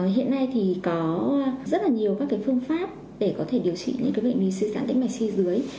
hiện nay có rất nhiều phương pháp để điều trị những bệnh lý suy dãn tĩnh mạch chi dưới